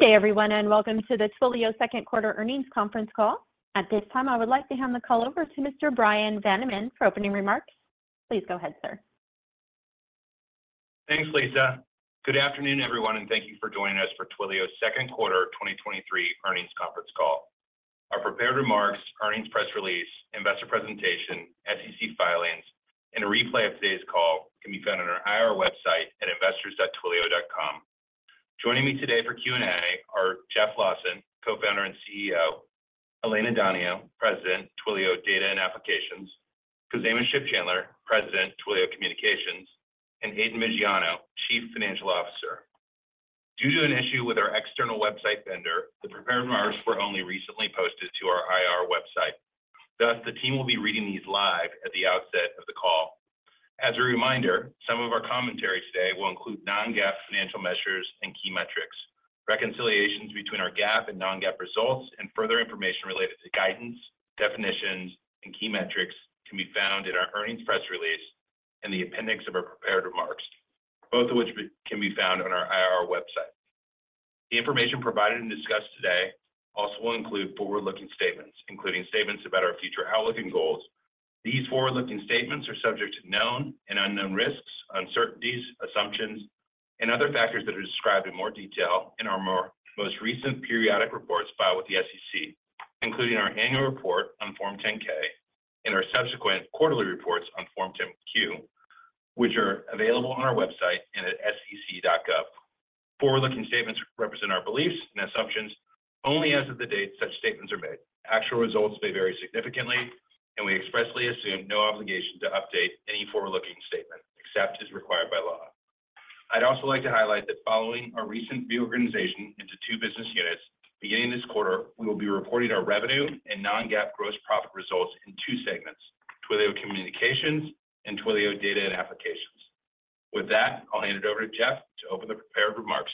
Good day, everyone, and welcome to the Twilio second quarter earnings conference call. At this time, I would like to hand the call over to Mr. Bryan Vaniman for opening remarks. Please go ahead, sir. Thanks, Lisa. Good afternoon, everyone. Thank you for joining us for Twilio's second quarter 2023 earnings conference call. Our prepared remarks, earnings press release, investor presentation, SEC filings, and a replay of today's call can be found on our IR website at investors.twilio.com. Joining me today for Q&A are Jeff Lawson, Co-founder and CEO; Elena Donio, President, Twilio Data and Applications; Khozema Shipchandler, President, Twilio Communications; and Aidan Viggiano, Chief Financial Officer. Due to an issue with our external website vendor, the prepared remarks were only recently posted to our IR website. Thus, the team will be reading these live at the outset of the call. As a reminder, some of our commentary today will include non-GAAP financial measures and key metrics. Reconciliations between our GAAP and non-GAAP results and further information related to guidance, definitions, and key metrics can be found in our earnings press release and the appendix of our prepared remarks, both of which can be found on our IR website. The information provided and discussed today also will include forward-looking statements, including statements about our future outlook and goals. These forward-looking statements are subject to known and unknown risks, uncertainties, assumptions, and other factors that are described in more detail in our most recent periodic reports filed with the SEC, including our annual report on Form 10-K and our subsequent quarterly reports on Form 10-Q, which are available on our website and at sec.gov. Forward-looking statements represent our beliefs and assumptions only as of the date such statements are made. Actual results may vary significantly, and we expressly assume no obligation to update any forward-looking statement, except as required by law. I'd also like to highlight that following our recent reorganization into two business units, beginning this quarter, we will be reporting our revenue and non-GAAP gross profit results in two segments: Twilio Communications and Twilio Data and Applications. With that, I'll hand it over to Jeff to open the prepared remarks.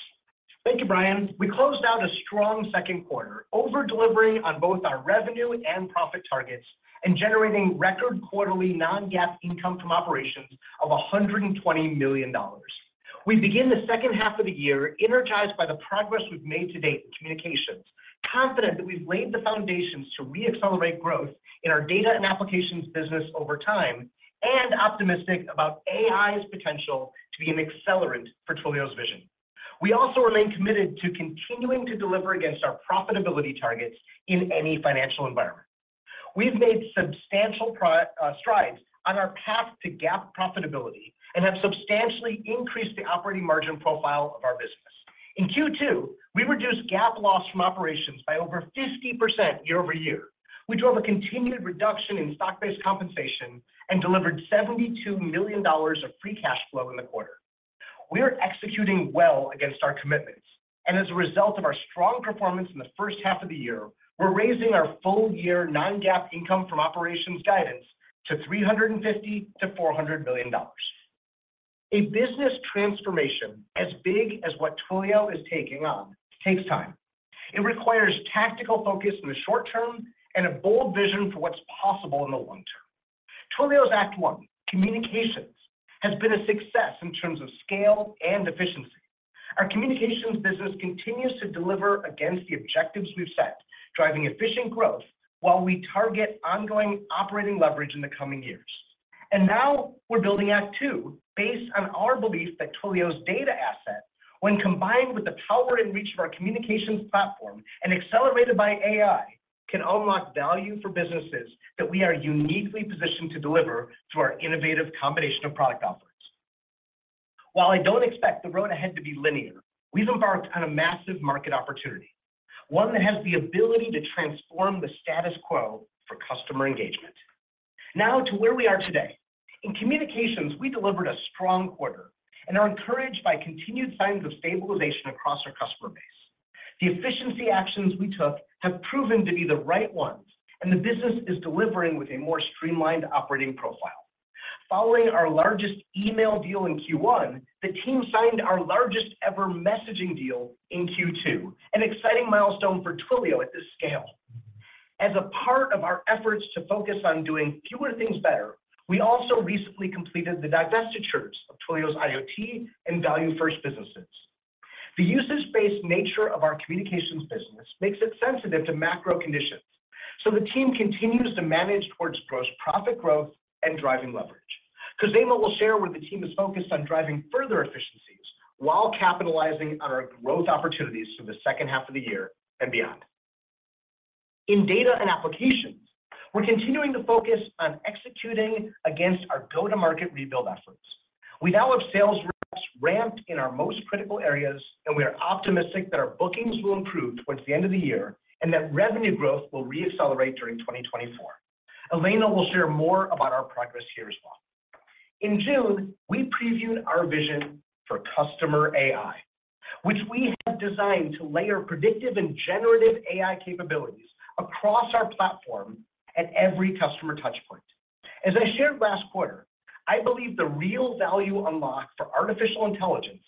Thank you, Brian. We closed out a strong second quarter, over-delivering on both our revenue and profit targets and generating record quarterly non-GAAP income from operations of $120 million. We begin the second half of the year energized by the progress we've made to date in communications, confident that we've laid the foundations to reaccelerate growth in our data and applications business over time, and optimistic about AI's potential to be an accelerant for Twilio's vision. We remain committed to continuing to deliver against our profitability targets in any financial environment. We've made substantial strides on our path to GAAP profitability and have substantially increased the operating margin profile of our business. In Q2, we reduced GAAP loss from operations by over 50% year-over-year. We drove a continued reduction in stock-based compensation and delivered $72 million of free cash flow in the quarter. As a result of our strong performance in the first half of the year, we're raising our full-year non-GAAP income from operations guidance to $350 million-$400 million. A business transformation as big as what Twilio is taking on takes time. It requires tactical focus in the short term and a bold vision for what's possible in the long term. Twilio's Act One: Communications, has been a success in terms of scale and efficiency. Our communications business continues to deliver against the objectives we've set, driving efficient growth while we target ongoing operating leverage in the coming years. Now we're building Act Two, based on our belief that Twilio's data asset, when combined with the power and reach of our communications platform and accelerated by AI, can unlock value for businesses that we are uniquely positioned to deliver through our innovative combination of product offerings. While I don't expect the road ahead to be linear, we've embarked on a massive market opportunity, one that has the ability to transform the status quo for customer engagement. Now to where we are today. In communications, we delivered a strong quarter and are encouraged by continued signs of stabilization across our customer base. The efficiency actions we took have proven to be the right ones, and the business is delivering with a more streamlined operating profile. Following our largest email deal in Q1, the team signed our largest-ever messaging deal in Q2, an exciting milestone for Twilio at this scale. As a part of our efforts to focus on doing fewer things better, we also recently completed the divestitures of Twilio's IoT and ValueFirst businesses. The usage-based nature of our Communications business makes it sensitive to macro conditions. The team continues to manage towards gross profit growth and driving leverage. Khozema will share where the team is focused on driving further efficiencies while capitalizing on our growth opportunities through the second half of the year and beyond. In Data and Applications, we're continuing to focus on executing against our go-to-market rebuild efforts. We now have sales reps ramped in our most critical areas, and we are optimistic that our bookings will improve towards the end of the year and that revenue growth will reaccelerate during 2024. Elena will share more about our progress here as well. In June, we previewed our vision for CustomerAI, which we have designed to layer predictive and generative AI capabilities across our platform at every customer touch point. As I shared last quarter, I believe the real value unlocked for artificial intelligence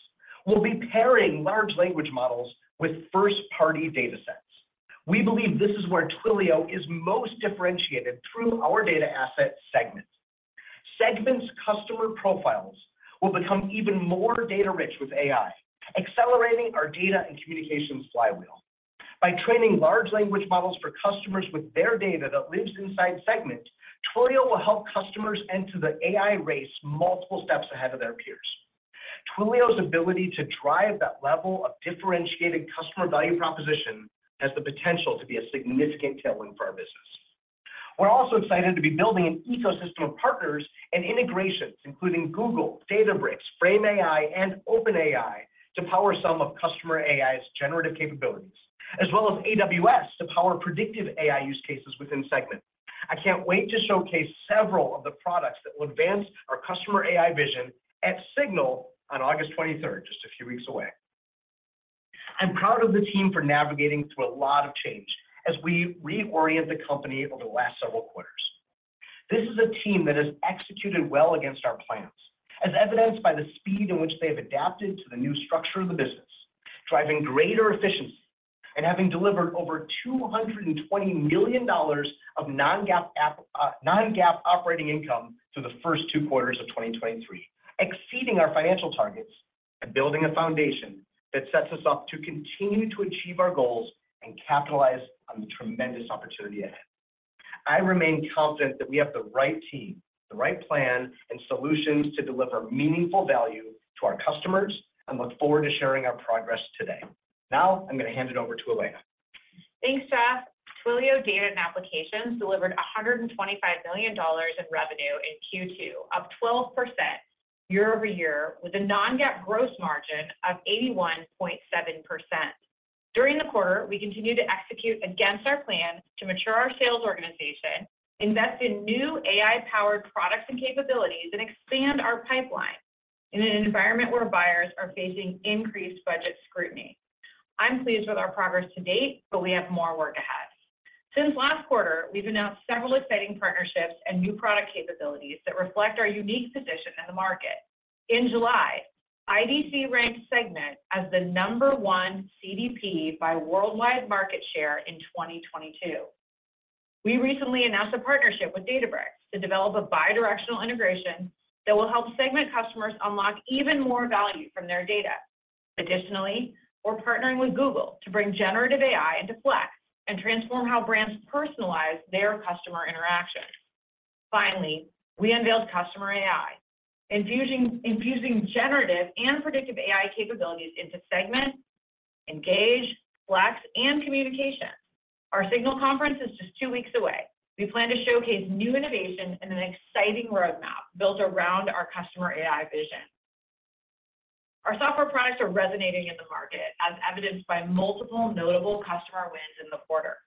will be pairing large language models with first-party data sets. We believe this is where Twilio is most differentiated through our data asset Segment. Segment's customer profiles will become even more data-rich with AI, accelerating our data and communications flywheel. By training large language models for customers with their data that lives inside Segment, Twilio will help customers enter the AI race multiple steps ahead of their peers. Twilio's ability to drive that level of differentiating customer value proposition has the potential to be a significant tailwind for our business. We're also excited to be building an ecosystem of partners and integrations, including Google, Databricks, Frame AI, and OpenAI, to power some of CustomerAI's generative capabilities, as well as AWS to power predictive AI use cases within Segment. I can't wait to showcase several of the products that will advance our CustomerAI vision at SIGNAL on August 23rd, just a few weeks away. I'm proud of the team for navigating through a lot of change as we reorient the company over the last several quarters. This is a team that has executed well against our plans, as evidenced by the speed in which they have adapted to the new structure of the business, driving greater efficiency and having delivered over $220 million of non-GAAP, non-GAAP operating income through the first two quarters of 2023, exceeding our financial targets and building a foundation that sets us up to continue to achieve our goals and capitalize on the tremendous opportunity ahead. I remain confident that we have the right team, the right plan, and solutions to deliver meaningful value to our customers and look forward to sharing our progress today. I'm going to hand it over to Elena. Thanks, Jeff. Twilio Data & Applications delivered $125 million in revenue in Q2, up 12% year-over-year, with a non-GAAP gross margin of 81.7%. During the quarter, we continued to execute against our plan to mature our sales organization, invest in new AI-powered products and capabilities, and expand our pipeline in an environment where buyers are facing increased budget scrutiny. I'm pleased with our progress to date. We have more work ahead. Since last quarter, we've announced several exciting partnerships and new product capabilities that reflect our unique position in the market. In July, IDC ranked Segment as the number one CDP by worldwide market share in 2022. We recently announced a partnership with Databricks to develop a bidirectional integration that will help Segment customers unlock even more value from their data. Additionally, we're partnering with Google to bring generative AI into Flex and transform how brands personalize their customer interactions. Finally, we unveiled CustomerAI, infusing generative and predictive AI capabilities into Segment, Engage, Flex, and Communications. Our SIGNAL conference is just two weeks away. We plan to showcase new innovation and an exciting roadmap built around our CustomerAI vision. Our software products are resonating in the market, as evidenced by multiple notable customer wins in the quarter.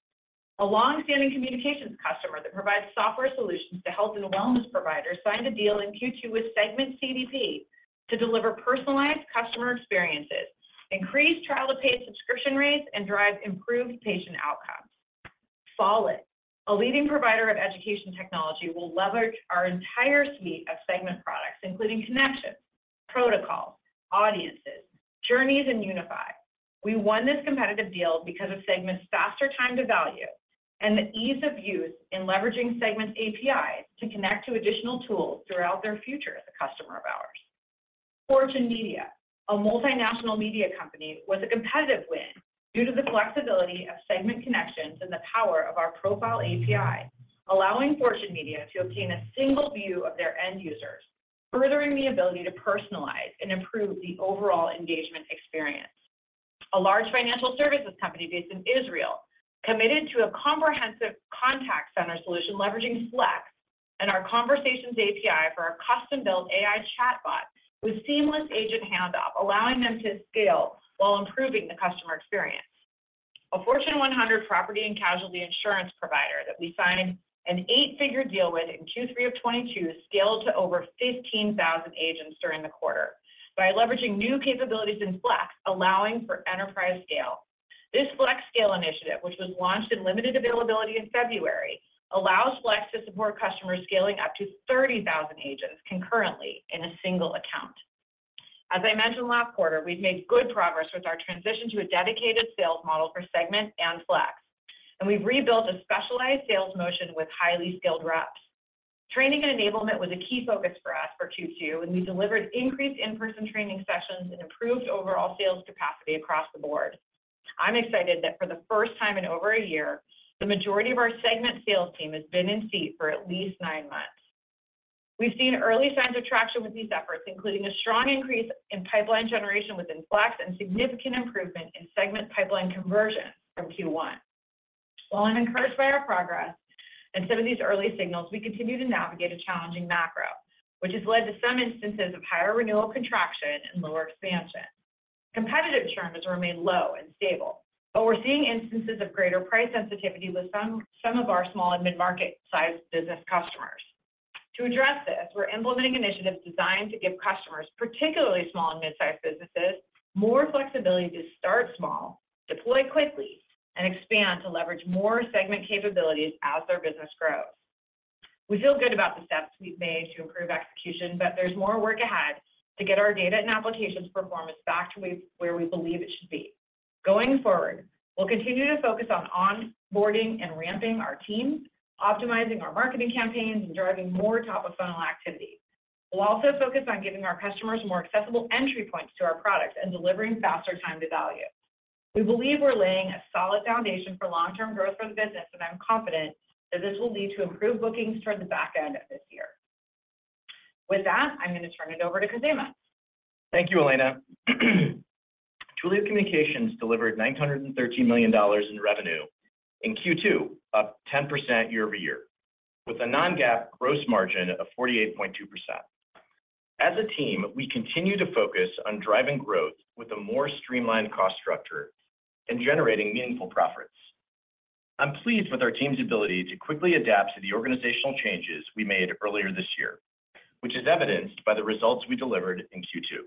A long-standing communications customer that provides software solutions to health and wellness providers signed a deal in Q2 with Segment CDP to deliver personalized customer experiences, increase trial to paid subscription rates, and drive improved patient outcomes. Follett, a leading provider of education technology, will leverage our entire suite of Segment products, including Connections, Protocols, Audiences, Journeys, and Unify. We won this competitive deal because of Segment's faster time to value and the ease of use in leveraging Segment's APIs to connect to additional tools throughout their future as a customer of ours. Fortune Media, a multinational media company, was a competitive win due to the flexibility of Segment Connections and the power of our Profile API, allowing Fortune Media to obtain a single view of their end users, furthering the ability to personalize and improve the overall engagement experience. A large financial services company based in Israel committed to a comprehensive contact center solution, leveraging Flex and our Conversations API for our custom-built AI chatbot with seamless agent handoff, allowing them to scale while improving the customer experience. A Fortune 100 property and casualty insurance provider that we signed an eight-figure deal with in Q3 of 2022, scaled to over 15,000 agents during the quarter by leveraging new capabilities in Flex, allowing for enterprise scale. This Flex Scale initiative, which was launched in limited availability in February, allows Flex to support customers scaling up to 30,000 agents concurrently in a single account. As I mentioned last quarter, we've made good progress with our transition to a dedicated sales model for Segment and Flex, and we've rebuilt a specialized sales motion with highly skilled reps. Training and enablement was a key focus for us for Q2, and we delivered increased in-person training sessions and improved overall sales capacity across the board. I'm excited that for the first time in over a year, the majority of our Segment sales team has been in seat for at least 9 months. We've seen early signs of traction with these efforts, including a strong increase in pipeline generation within Flex and significant improvement in Segment pipeline conversion from Q1. While I'm encouraged by our progress and some of these early signals, we continue to navigate a challenging macro, which has led to some instances of higher renewal contraction and lower expansion. Competitive terms remain low and stable, but we're seeing instances of greater price sensitivity with some of our small and mid-market size business customers. To address this, we're implementing initiatives designed to give customers, particularly small and mid-sized businesses, more flexibility to start small, deploy quickly, and expand to leverage more Segment capabilities as their business grows. We feel good about the steps we've made to improve execution, but there's more work ahead to get our Data and Applications performance back to where we believe it should be. Going forward, we'll continue to focus on onboarding and ramping our teams, optimizing our marketing campaigns, and driving more top-of-funnel activity. We'll also focus on giving our customers more accessible entry points to our products and delivering faster time to value. We believe we're laying a solid foundation for long-term growth for the business, and I'm confident that this will lead to improved bookings toward the back end of this year. With that, I'm going to turn it over to Khozema. Thank you, Elena. Twilio Communications delivered $913 million in revenue in Q2, up 10% year-over-year, with a non-GAAP gross margin of 48.2%. As a team, we continue to focus on driving growth with a more streamlined cost structure and generating meaningful profits. I'm pleased with our team's ability to quickly adapt to the organizational changes we made earlier this year, which is evidenced by the results we delivered in Q2.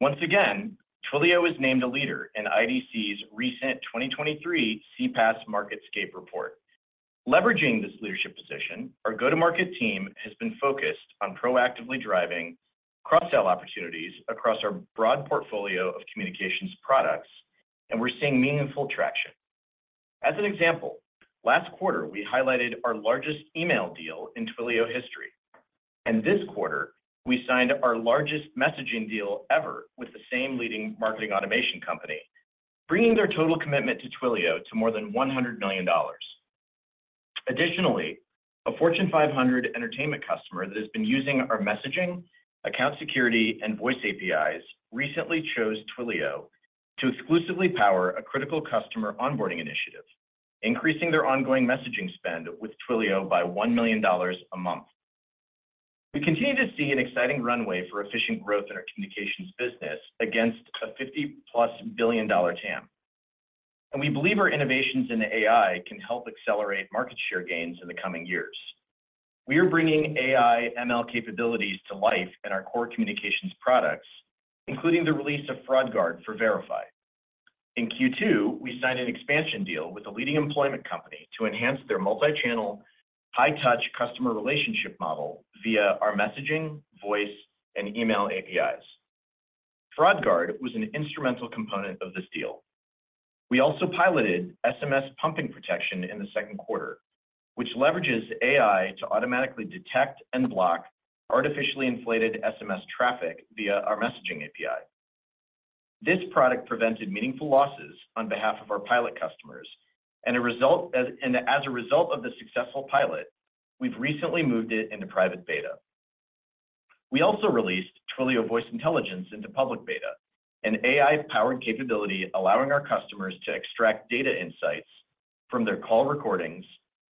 Once again, Twilio is named a leader in IDC's recent 2023 CPaaS MarketScape Report. Leveraging this leadership position, our go-to-market team has been focused on proactively driving cross-sell opportunities across our broad portfolio of communications products, and we're seeing meaningful traction. As an example, last quarter, we highlighted our largest email deal in Twilio history, and this quarter, we signed our largest messaging deal ever with the same leading marketing automation company, bringing their total commitment to Twilio to more than $100 million. Additionally, a Fortune 500 entertainment customer that has been using our messaging, account security, and Voice APIs recently chose Twilio to exclusively power a critical customer onboarding initiative, increasing their ongoing messaging spend with Twilio by $1 million a month. We continue to see an exciting runway for efficient growth in our communications business against a $50+ billion TAM, and we believe our innovations in AI can help accelerate market share gains in the coming years. We are bringing AI ML capabilities to life in our core communications products, including the release of Fraud Guard for Verify. In Q2, we signed an expansion deal with a leading employment company to enhance their multi-channel, high-touch customer relationship model via our messaging, voice, and email APIs. Fraud Guard was an instrumental component of this deal. We also piloted SMS Pumping Protection in the second quarter, which leverages AI to automatically detect and block artificially inflated SMS traffic via our Messaging API. This product prevented meaningful losses on behalf of our pilot customers, and as a result of the successful pilot, we've recently moved it into private beta. We also released Twilio Voice Intelligence into public beta, an AI-powered capability, allowing our customers to extract data insights from their call recordings,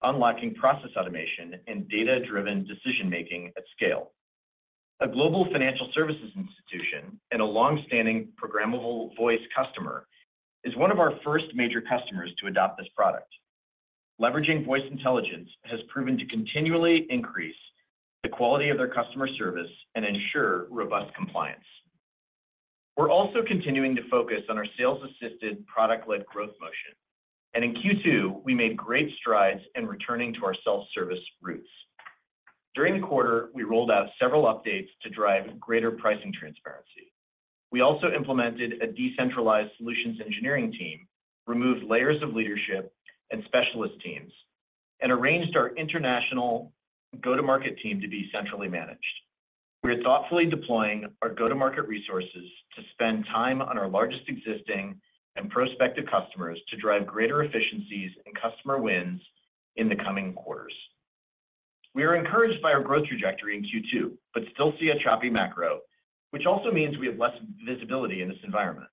unlocking process automation and data-driven decision-making at scale. A global financial services institution and a long-standing programmable voice customer is one of our first major customers to adopt this product. Leveraging Voice Intelligence has proven to continually increase the quality of their customer service and ensure robust compliance. We're also continuing to focus on our sales-assisted, product-led growth motion, and in Q2, we made great strides in returning to our self-service roots. During the quarter, we rolled out several updates to drive greater pricing transparency. We also implemented a decentralized solutions engineering team, removed layers of leadership and specialist teams, and arranged our international go-to-market team to be centrally managed. We are thoughtfully deploying our go-to-market resources to spend time on our largest existing and prospective customers to drive greater efficiencies and customer wins in the coming quarters. We are encouraged by our growth trajectory in Q2, but still see a choppy macro, which also means we have less visibility in this environment.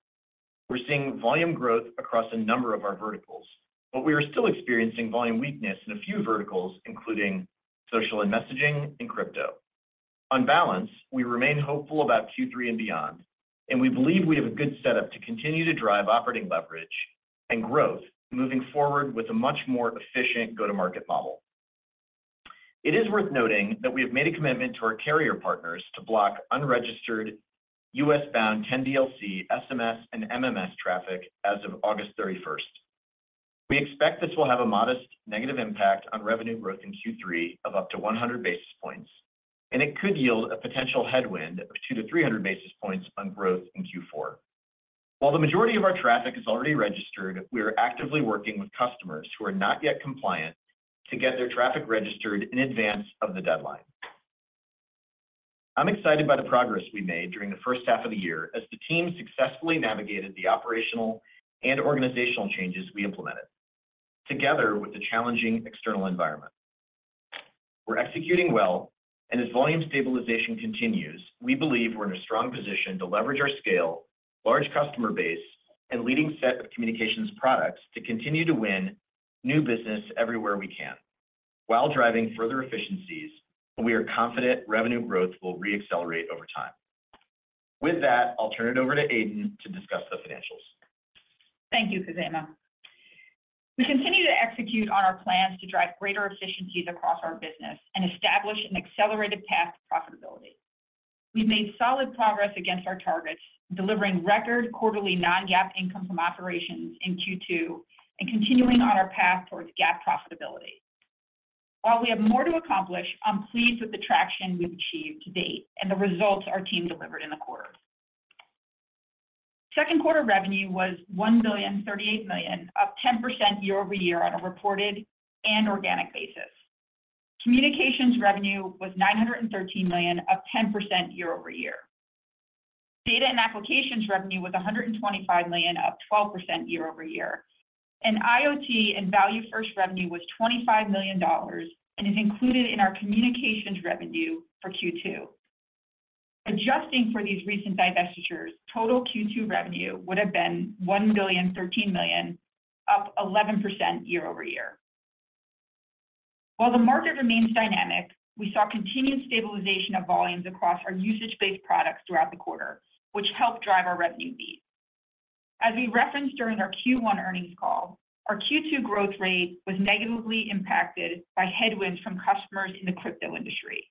We're seeing volume growth across a number of our verticals, but we are still experiencing volume weakness in a few verticals, including social and messaging and crypto. On balance, we remain hopeful about Q3 and beyond, and we believe we have a good setup to continue to drive operating leverage and growth moving forward with a much more efficient go-to-market model. It is worth noting that we have made a commitment to our carrier partners to block unregistered US-bound 10DLC, SMS, and MMS traffic as of August 31st. We expect this will have a modest negative impact on revenue growth in Q3 of up to 100 basis points, and it could yield a potential headwind of 200-300 basis points on growth in Q4. While the majority of our traffic is already registered, we are actively working with customers who are not yet compliant to get their traffic registered in advance of the deadline. I'm excited by the progress we made during the first half of the year as the team successfully navigated the operational and organizational changes we implemented, together with the challenging external environment. We're executing well, and as volume stabilization continues, we believe we're in a strong position to leverage our scale, large customer base, and leading set of communications products to continue to win new business everywhere we can. While driving further efficiencies, we are confident revenue growth will re-accelerate over time. With that, I'll turn it over to Aidan to discuss the financials. Thank you, Khozema. We continue to execute on our plans to drive greater efficiencies across our business and establish an accelerated path to profitability. We've made solid progress against our targets, delivering record quarterly non-GAAP income from operations in Q2 and continuing on our path towards GAAP profitability. While we have more to accomplish, I'm pleased with the traction we've achieved to date and the results our team delivered in the quarter. Second quarter revenue was $1.038 billion, up 10% year-over-year on a reported and organic basis. Communications revenue was $913 million, up 10% year-over-year. Data and Applications revenue was $125 million, up 12% year-over-year. IoT and ValueFirst revenue was $25 million, and is included in our Communications revenue for Q2. Adjusting for these recent divestitures, total Q2 revenue would have been $1.013 billion, up 11% year-over-year. While the market remains dynamic, we saw continued stabilization of volumes across our usage-based products throughout the quarter, which helped drive our revenue beat. As we referenced during our Q1 earnings call, our Q2 growth rate was negatively impacted by headwinds from customers in the crypto industry.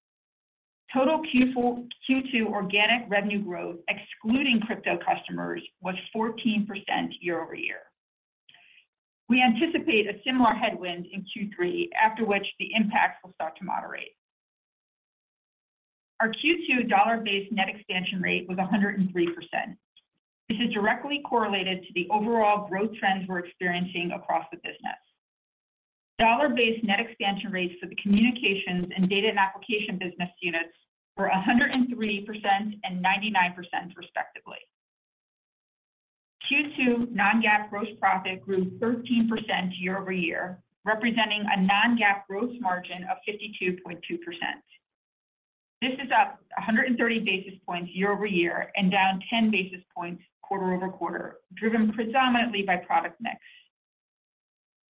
Total Q2 organic revenue growth, excluding crypto customers, was 14% year-over-year. We anticipate a similar headwind in Q3, after which the impacts will start to moderate. Our Q2 Dollar-Based Net Expansion Rate was 103%. This is directly correlated to the overall growth trends we're experiencing across the business. Dollar-Based Net Expansion Rates for the Twilio Communications and Twilio Data & Applications business units were 103% and 99% respectively. Q2 non-GAAP gross profit grew 13% year-over-year, representing a non-GAAP gross margin of 52.2%. This is up 130 basis points year-over-year, and down 10 basis points quarter-over-quarter, driven predominantly by product mix.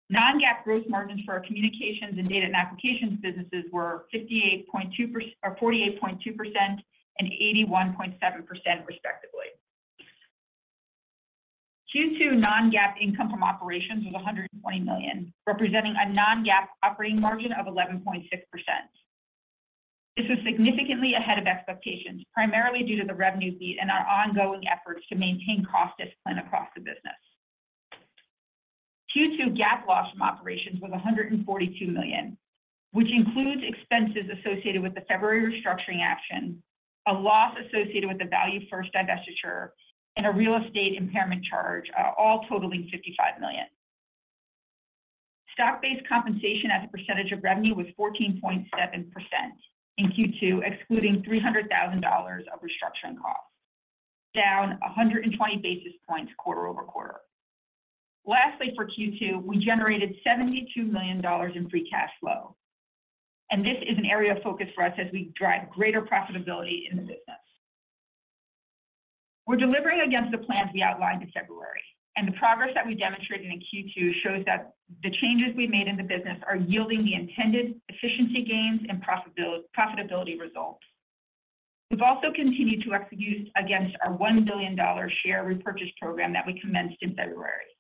Non-GAAP gross margins for our Twilio Communications and Twilio Data & Applications businesses were 48.2% and 81.7% respectively. Q2 non-GAAP income from operations was $120 million, representing a non-GAAP operating margin of 11.6%. This is significantly ahead of expectations, primarily due to the revenue beat and our ongoing efforts to maintain cost discipline across the business. Q2 GAAP loss from operations was $142 million, which includes expenses associated with the February restructuring action, a loss associated with the ValueFirst divestiture, and a real estate impairment charge, all totaling $55 million. Stock-based compensation as a percentage of revenue was 14.7% in Q2, excluding $300,000 of restructuring costs, down 120 basis points quarter-over-quarter. Lastly, for Q2, we generated $72 million in free cash flow. This is an area of focus for us as we drive greater profitability in the business. We're delivering against the plans we outlined in February. The progress that we demonstrated in Q2 shows that the changes we made in the business are yielding the intended efficiency gains and profitability results. We've also continued to execute against our $1 billion share repurchase program that we commenced in February.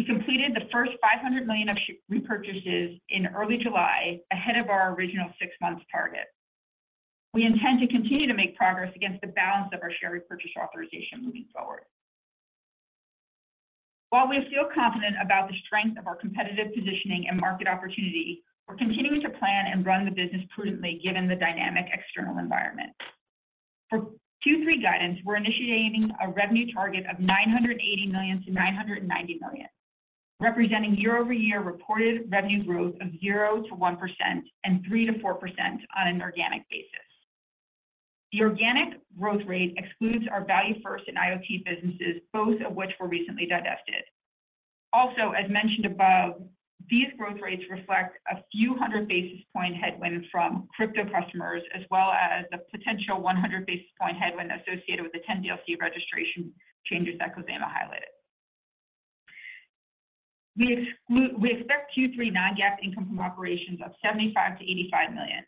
We completed the first $500 million of repurchases in early July, ahead of our original six months target. We intend to continue to make progress against the balance of our share repurchase authorization moving forward. While we feel confident about the strength of our competitive positioning and market opportunity, we're continuing to plan and run the business prudently, given the dynamic external environment. For Q3 guidance, we're initiating a revenue target of $980 million-$990 million, representing year-over-year reported revenue growth of 0%-1%, and 3%-4% on an organic basis. The organic growth rate excludes our ValueFirst and IoT businesses, both of which were recently divested. As mentioned above, these growth rates reflect a few hundred basis point headwind from crypto customers, as well as the potential 100 basis point headwind associated with the 10DLC registration changes that Khozema highlighted. We expect Q3 non-GAAP income from operations of $75 million-$85 million.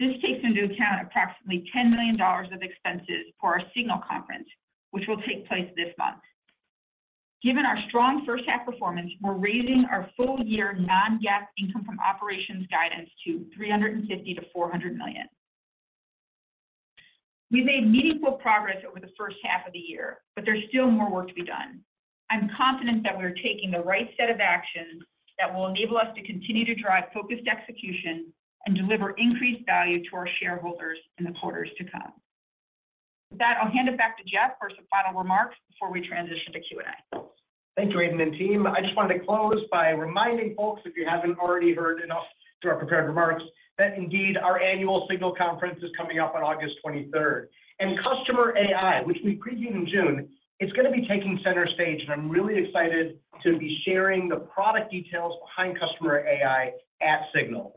This takes into account approximately $10 million of expenses for our SIGNAL conference, which will take place this month. Given our strong first half performance, we're raising our full year non-GAAP income from operations guidance to $350 million-$400 million. We made meaningful progress over the first half of the year, but there's still more work to be done. I'm confident that we are taking the right set of actions that will enable us to continue to drive focused execution and deliver increased value to our shareholders in the quarters to come. With that, I'll hand it back to Jeff for some final remarks before we transition to Q&A. Thank you, Aidan and team. I just wanted to close by reminding folks, if you haven't already heard enough through our prepared remarks, that indeed, our annual Signal conference is coming up on August 23rd. Customer AI, which we previewed in June, it's going to be taking center stage, and I'm really excited to be sharing the product details behind Customer AI at Signal.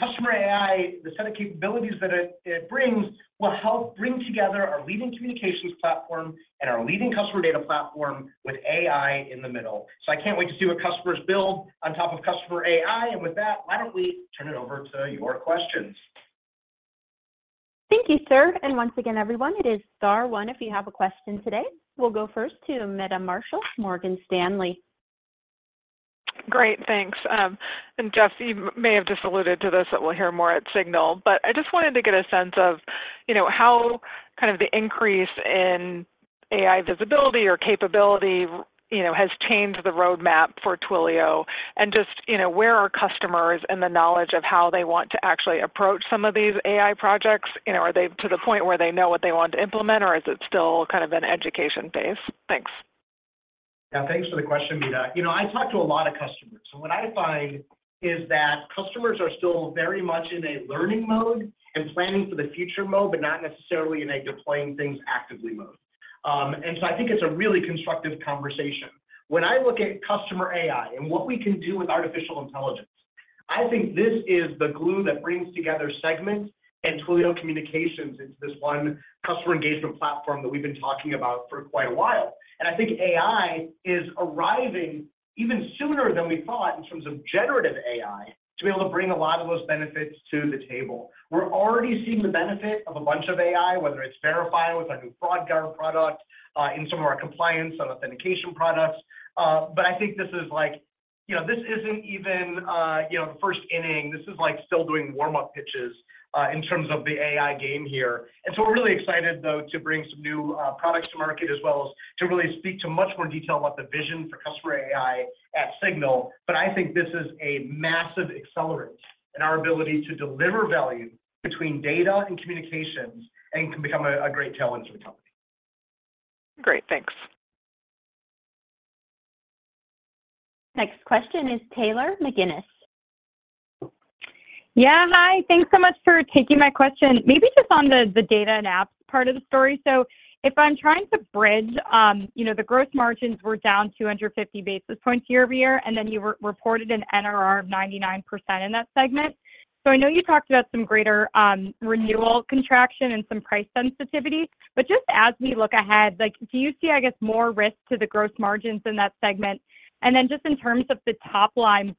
Customer AI, the set of capabilities that it, it brings, will help bring together our leading communications platform and our leading customer data platform with AI in the middle. I can't wait to see what customers build on top of Customer AI. With that, why don't we turn it over to your questions? Thank you, sir. Once again, everyone, it is star one, if you have a question today. We'll go first to Meta Marshall, Morgan Stanley. Great, thanks. Jeff, you may have just alluded to this, that we'll hear more at SIGNAL, but I just wanted to get a sense of, you know, how kind of the increase AI visibility or capability, you know, has changed the roadmap for Twilio, and just, you know, where are customers in the knowledge of how they want to actually approach some of these AI projects? You know, are they to the point where they know what they want to implement, or is it still kind of an education phase? Thanks. Yeah, thanks for the question, Meta. You know, I talk to a lot of customers, so what I find is that customers are still very much in a learning mode and planning for the future mode, but not necessarily in a deploying things actively mode. I think it's a really constructive conversation. When I look at CustomerAI and what we can do with artificial intelligence, I think this is the glue that brings together Segment and Twilio Communications into this one customer engagement platform that we've been talking about for quite a while. I think AI is arriving even sooner than we thought in terms of generative AI, to be able to bring a lot of those benefits to the table. We're already seeing the benefit of a bunch of AI, whether it's Verify with our new Fraud Guard product, in some of our compliance and authentication products. I think this is like, you know, this isn't even, you know, the first inning, this is like still doing warm-up pitches, in terms of the AI game here. We're really excited, though, to bring some new products to market, as well as to really speak to much more detail about the vision for CustomerAI at SIGNAL. I think this is a massive accelerant in our ability to deliver value between data and communications and can become a, a great tailwind for the company. Great, thanks. Next question is Taylor McGinnis. Yeah, hi. Thanks so much for taking my question. Maybe just on the Data & Applications part of the story. If I'm trying to bridge, you know, the gross margins were down 250 basis points year-over-year, and then you re- reported an NRR of 99% in that segment. I know you talked about some greater renewal contraction and some price sensitivity, but just as we look ahead, like, do you see, I guess, more risk to the gross margins in that segment? Then just in terms of the top line,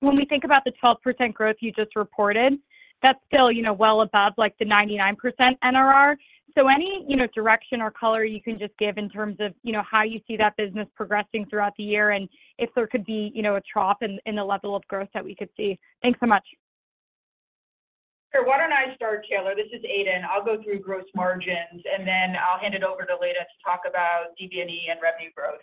when we think about the 12% growth you just reported, that's still, you know, well above, like, the 99% NRR. Any, you know, direction or color you can just give in terms of, you know, how you see that business progressing throughout the year, and if there could be, you know, a trough in the level of growth that we could see? Thanks so much. Sure. Why don't I start, Taylor? This is Aidan. I'll go through gross margins, and then I'll hand it over to Elena to talk about DBNE and revenue growth.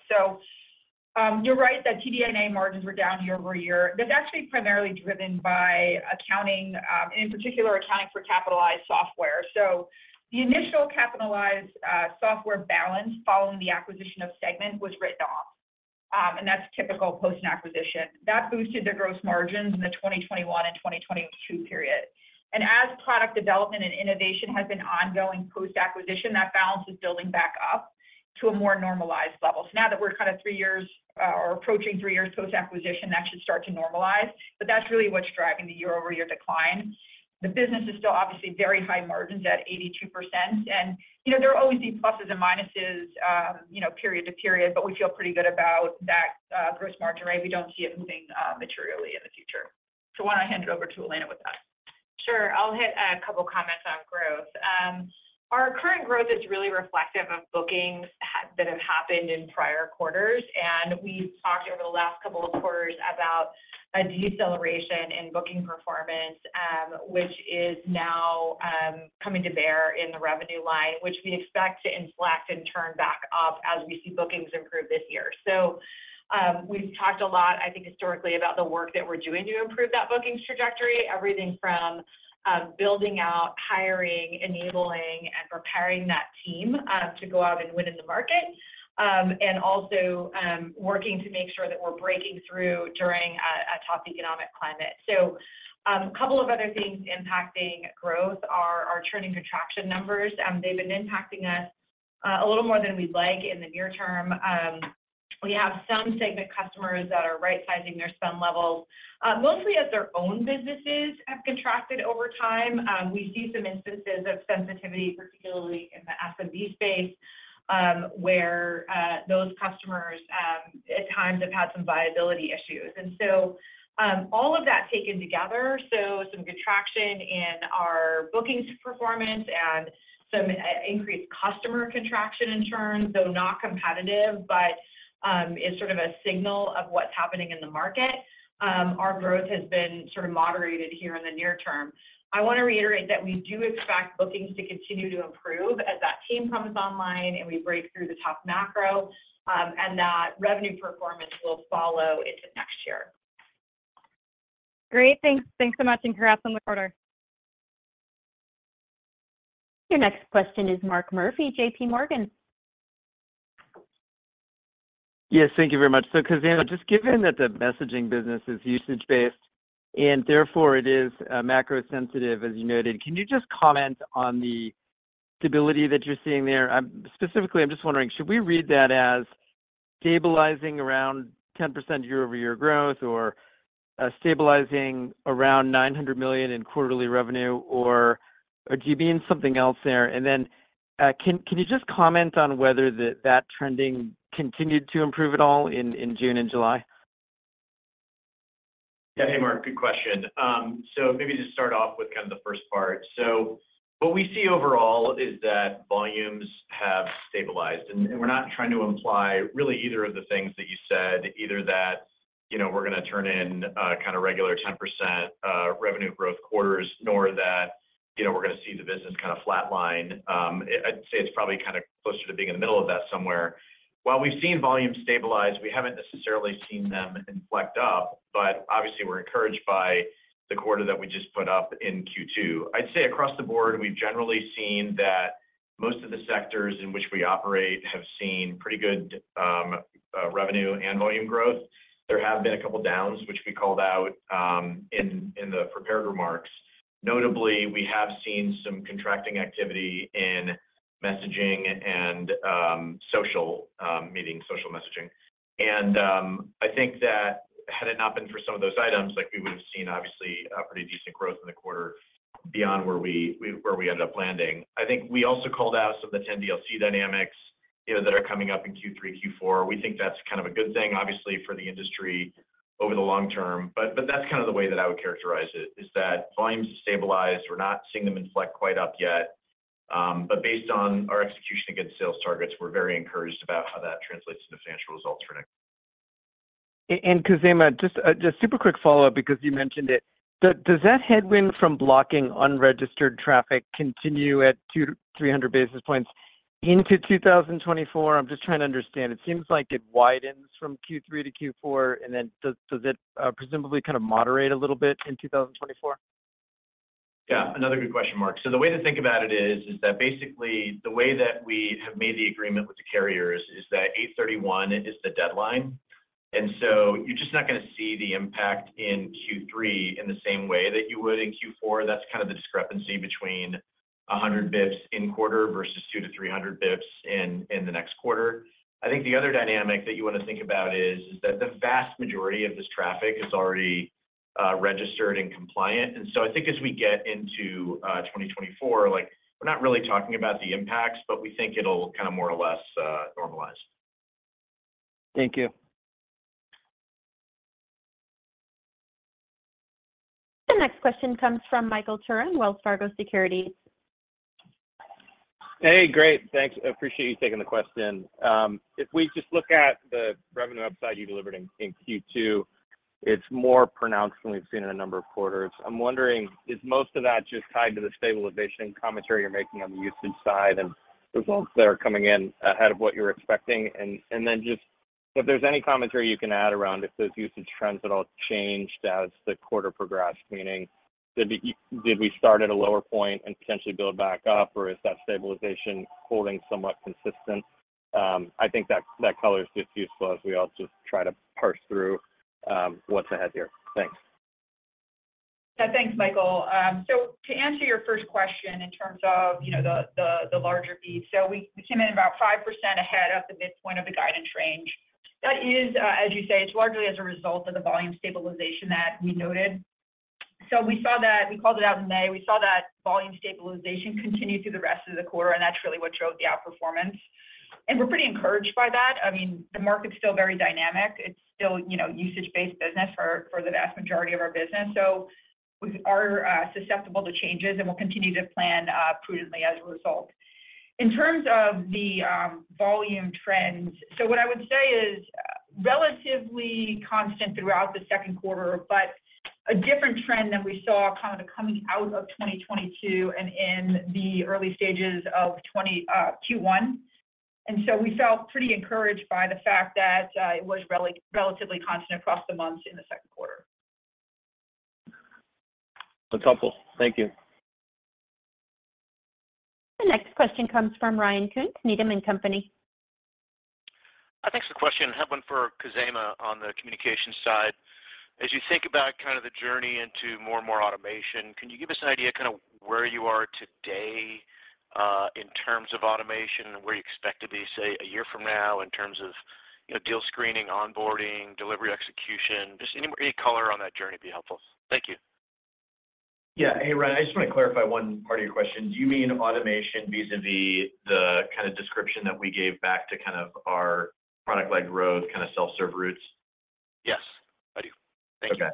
You're right that TDNA margins were down year-over-year. That's actually primarily driven by accounting, and in particular, accounting for capitalized software. The initial capitalized software balance following the acquisition of Segment was written off, and that's typical post an acquisition. That boosted the gross margins in the 2021 and 2022 period. As product development and innovation has been ongoing post-acquisition, that balance is building back up to a more normalized level. Now that we're kind of three years, or approaching three years post-acquisition, that should start to normalize, but that's really what's driving the year-over-year decline. The business is still obviously very high margins at 82%, and you know, there are always these pluses and minuses, you know, period to period, but we feel pretty good about that, gross margin rate. We don't see it moving, materially in the future. Why don't I hand it over to Elena with that? Sure. I'll hit a couple comments on growth. Our current growth is really reflective of bookings that have happened in prior quarters, and we've talked over the last couple of quarters about a deceleration in booking performance, which is now coming to bear in the revenue line, which we expect to inflect and turn back up as we see bookings improve this year. We've talked a lot, I think, historically about the work that we're doing to improve that bookings trajectory. Everything from building out, hiring, enabling, and preparing that team to go out and win in the market. And also working to make sure that we're breaking through during a tough economic climate. A couple of other things impacting growth are our turning contraction numbers. They've been impacting us, a little more than we'd like in the near term. We have some Segment customers that are right-sizing their spend levels, mostly as their own businesses have contracted over time. We see some instances of sensitivity, particularly in the SMB space, where those customers, at times have had some viability issues. All of that taken together, so some contraction in our bookings performance and some increased customer contraction in turn, though not competitive, but is sort of a signal of what's happening in the market. Our growth has been sort of moderated here in the near term. I want to reiterate that we do expect bookings to continue to improve as that team comes online and we break through the tough macro, and that revenue performance will follow into next year. Great. Thanks. Thanks so much. Congrats on the quarter. Your next question is Mark Murphy, JP Morgan. Thank you very much. Khozema, just given that the messaging business is usage-based, and therefore it is macro-sensitive, as you noted, can you just comment on the stability that you're seeing there? Specifically, I'm just wondering, should we read that as stabilizing around 10% year-over-year growth, or stabilizing around $900 million in quarterly revenue, or are you being something else there? Can you just comment on whether that, that trending continued to improve at all in June and July? Yeah. Hey, Mark, good question. Maybe just start off with kind of the first part. What we see overall is that volumes have stabilized, and we're not trying to imply really either of the things that you said, either that, you know, we're gonna turn in, kind of regular 10% revenue growth quarters, nor that...... you know, we're gonna see the business kind of flatline. I'd say it's probably kind of closer to being in the middle of that somewhere. While we've seen volume stabilize, we haven't necessarily seen them inflect up, but obviously, we're encouraged by the quarter that we just put up in Q2. I'd say across the board, we've generally seen that most of the sectors in which we operate have seen pretty good, revenue and volume growth. There have been a couple downs, which we called out, in the prepared remarks. Notably, we have seen some contracting activity in messaging and, social, meaning social messaging. And, I think that had it not been for some of those items, like we would have seen obviously a pretty decent growth in the quarter beyond where we where we ended up landing. I think we also called out some of the 10DLC dynamics, you know, that are coming up in Q3, Q4. We think that's kind of a good thing, obviously, for the industry over the long term. That's kind of the way that I would characterize it, is that volumes have stabilized. We're not seeing them inflect quite up yet, but based on our execution against sales targets, we're very encouraged about how that translates to financial results for next- Khozema, super quick follow-up because you mentioned it. Does, does that headwind from blocking unregistered traffic continue at 200-300 basis points into 2024? I'm just trying to understand. It seems like it widens from Q3 to Q4, and then does, does it, presumably kind of moderate a little bit in 2024? Yeah, another good question, Mark. The way to think about it is, is that basically the way that we have made the agreement with the carriers is that 8/31 is the deadline. You're just not gonna see the impact in Q3 in the same way that you would in Q4. That's kind of the discrepancy between 100 bips in quarter versus 200-300 bips in the next quarter. I think the other dynamic that you want to think about is, is that the vast majority of this traffic is already registered and compliant. I think as we get into 2024, like, we're not really talking about the impacts, but we think it'll kind of more or less normalize. Thank you. The next question comes from Michael Turrin, Wells Fargo Securities. Hey, great. Thanks. I appreciate you taking the question. If we just look at the revenue upside you delivered in Q2, it's more pronounced than we've seen in a number of quarters. I'm wondering, is most of that just tied to the stabilization commentary you're making on the usage side and results that are coming in ahead of what you're expecting? Just if there's any commentary you can add around if those usage trends at all changed as the quarter progressed, meaning, did we start at a lower point and potentially build back up, or is that stabilization holding somewhat consistent? I think that, that color is just useful as we all just try to parse through what's ahead here. Thanks. Yeah. Thanks, Michael. To answer your first question in terms of, you know, the, the, the larger piece, we came in about 5% ahead of the midpoint of the guidance range. That is, as you say, it's largely as a result of the volume stabilization that we noted. We saw that-- we called it out in May. We saw that volume stabilization continue through the rest of the quarter, and that's really what drove the outperformance. We're pretty encouraged by that. I mean, the market's still very dynamic. It's still, you know, usage-based business for, for the vast majority of our business. We are susceptible to changes, and we'll continue to plan prudently as a result. In terms of the volume trends, what I would say is relatively constant throughout the second quarter, but a different trend than we saw kind of coming out of 2022 and in the early stages of Q1. We felt pretty encouraged by the fact that it was relatively constant across the months in the second quarter. That's helpful. Thank you. The next question comes from Ryan Koontz, Needham & Company. Thanks for the question. I have one for Khozema on the communication side. As you think about kind of the journey into more and more automation, can you give us an idea kind of where you are today, in terms of automation, and where you expect to be, say, one year from now in terms of, you know, deal screening, onboarding, delivery, execution? Just any, any color on that journey be helpful. Thank you. Yeah. Hey, Ryan, I just want to clarify one part of your question. Do you mean automation vis-à-vis the kind of description that we gave back to kind of our product-led growth, kind of self-serve routes? Yes, I do. Thank you. Okay.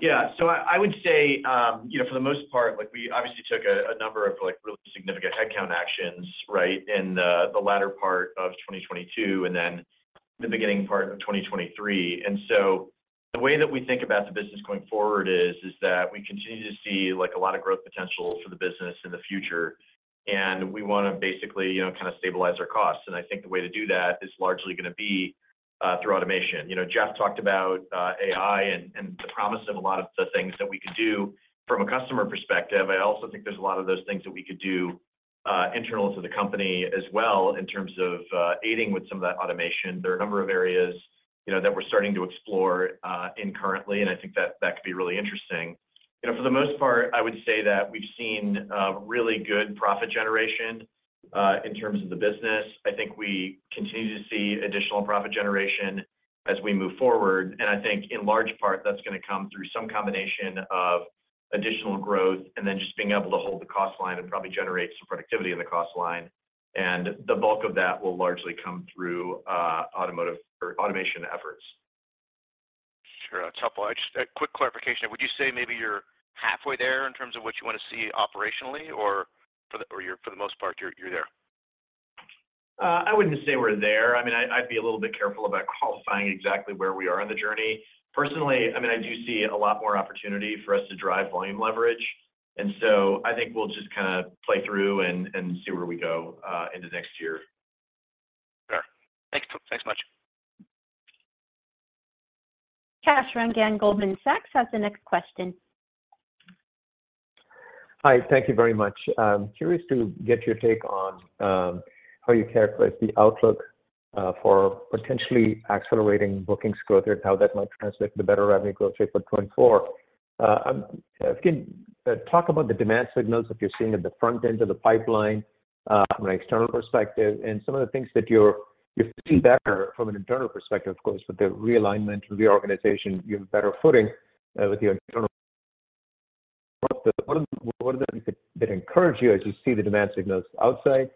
Yeah, so I, I would say, you know, for the most part, like we obviously took a, a number of like, really significant headcount actions, right? In the, the latter part of 2022, and then the beginning part of 2023. The way that we think about the business going forward is, is that we continue to see, like, a lot of growth potential for the business in the future, and we want to basically, you know, kind of stabilize our costs. I think the way to do that is largely going to be through automation. You know, Jeff talked about AI and, and the promise of a lot of the things that we could do from a customer perspective. I also think there's a lot of those things that we could do, internal to the company as well in terms of aiding with some of that automation. There are a number of areas, you know, that we're starting to explore, in currently, and I think that, that could be really interesting. You know, for the most part, I would say that we've seen, really good profit generation, in terms of the business. I think we continue to see additional profit generation as we move forward, and I think in large part, that's going to come through some combination of additional growth and then just being able to hold the cost line and probably generate some productivity in the cost line. The bulk of that will largely come through, automation or automation efforts. Sure. That's helpful. I just. A quick clarification. Would you say maybe you're halfway there in terms of what you want to see operationally, or for the most part, you're there? I wouldn't say we're there. I mean, I, I'd be a little bit careful about qualifying exactly where we are on the journey. Personally, I mean, I do see a lot more opportunity for us to drive volume leverage, and so I think we'll just kind of play through and, and see where we go into next year. Sure. Thanks. Thanks much. Kash Rangan, Goldman Sachs, has the next question. Hi, thank you very much. Curious to get your take on how you characterize the outlook for potentially accelerating bookings growth and how that might translate to better revenue growth rate for 2024. If you can talk about the demand signals that you're seeing at the front end of the pipeline from an external perspective, and some of the things that you're, you see better from an internal perspective, of course, with the realignment of the organization, you have better footing with your internal. What are, what are the things that, that encourage you as you see the demand signals outside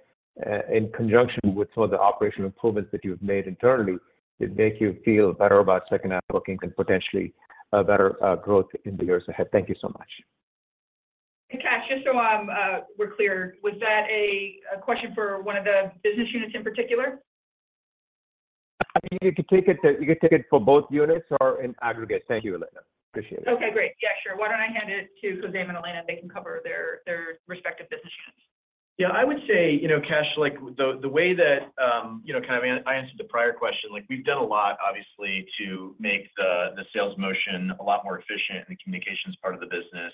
in conjunction with some of the operational improvements that you've made internally, that make you feel better about second half bookings and potentially better growth in the years ahead? Thank you so much. Hey, Kash, just so we're clear, was that a question for one of the business units in particular? I mean, you could take it, you could take it for both units or in aggregate. Thank you, Elena. Appreciate it. Okay, great. Yeah, sure. Why don't I hand it to Khozema and Elena, they can cover their, their respective business units. Yeah, I would say, you know, Kash, like, the, the way that, you know, kind of I answered the prior question, like, we've done a lot, obviously, to make the, the sales motion a lot more efficient and the communications part of the business.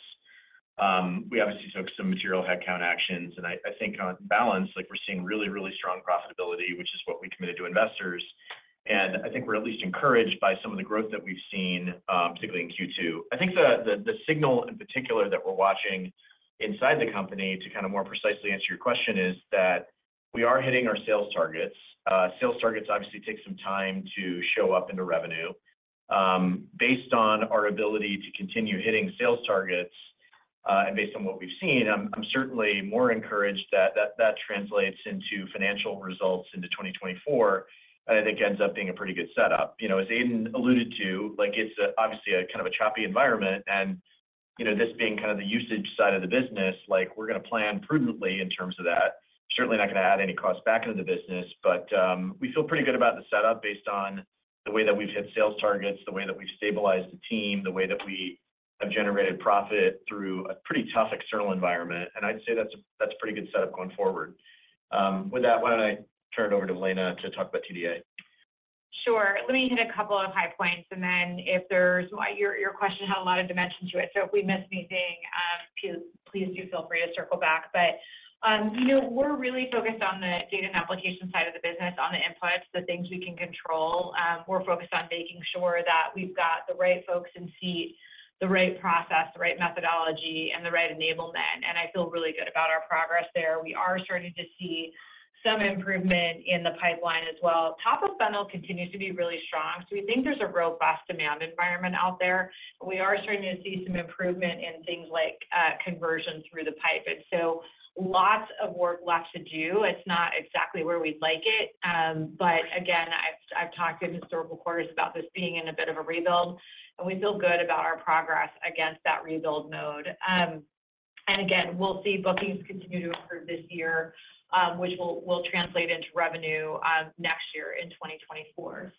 We obviously took some material headcount actions. I, I think on balance, like we're seeing really, really strong profitability, which is what we committed to investors. I think we're at least encouraged by some of the growth that we've seen, particularly in Q2. I think the, the, the signal in particular that we're watching inside the company, to kind of more precisely answer your question, is that we are hitting our sales targets. Sales targets obviously take some time to show up into revenue. Based on our ability to continue hitting sales targets, and based on what we've seen, I'm, I'm certainly more encouraged that, that, that translates into financial results into 2024, and I think ends up being a pretty good setup. You know, as Aidan alluded to, like, it's, obviously a kind of a choppy environment and, you know, this being kind of the usage side of the business, like, we're gonna plan prudently in terms of that. Certainly not gonna add any cost back into the business, but, we feel pretty good about the setup based on the way that we've hit sales targets, the way that we've stabilized the team, the way that we have generated profit through a pretty tough external environment. I'd say that's a, that's a pretty good setup going forward. With that, why don't I turn it over to Elena to talk about TDA? Sure. Let me hit a couple of high points, and then if there's Your, your question had a lot of dimension to it, so if we miss anything, please, please do feel free to circle back. You know, we're really focused on the data and application side of the business, on the inputs, the things we can control. We're focused on making sure that we've got the right folks in seat, the right process, the right methodology, and the right enablement, and I feel really good about our progress there. We are starting to see some improvement in the pipeline as well. Top of funnel continues to be really strong, so we think there's a robust demand environment out there. We are starting to see some improvement in things like conversion through the pipe. Lots of work left to do. It's not exactly where we'd like it. Again, I've, I've talked in historical quarters about this being in a bit of a rebuild, and we feel good about our progress against that rebuild mode. Again, we'll see bookings continue to improve this year, which will, will translate into revenue next year in 2024.